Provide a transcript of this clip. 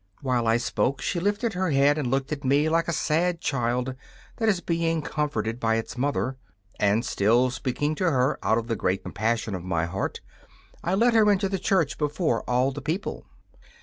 While I spoke she lifted her head and looked at me like a sad child that is being comforted by its mother. And, still speaking to her out of the great compassion in my heart, I led her into the church before all the people.